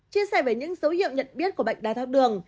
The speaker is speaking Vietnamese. chia sẻ về những dấu hiệu nhận biết của bệnh đái tháo đường